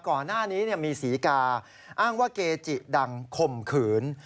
ก่อนหน้านี้มีศรีกาอ้างว่าเกจิดังข่มขืน